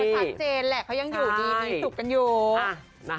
ประชาเจนแหละเขายังอยู่มีศุกร์กันอยู่